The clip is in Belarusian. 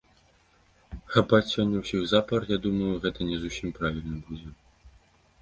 Хапаць сёння ўсіх запар, я думаю, гэта не зусім правільна будзе.